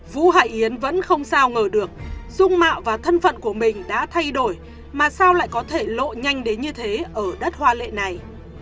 vũ hải yến vẫn không sao ngờ được dung mạo và thân phận của mình đã thay đổi mà sao lại có thể lộ nhanh đến như thế ở đất hoa lệ này